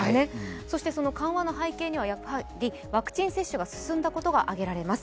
緩和の背景には、ワクチン接種が進んだことが挙げられます。